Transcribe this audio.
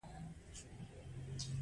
د کتاب اصلي موخه پوهاوی دی.